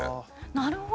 なるほど。